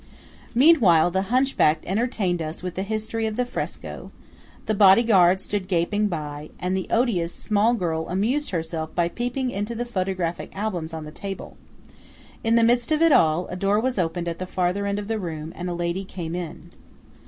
Meanwhile the hunchback entertained us with the history of the fresco; the body guard stood gaping by; and the odious small girl amused herself by peeping into the photographic albums on the table. In the midst of it all, a door was opened at the farther end of the room, and a lady came in.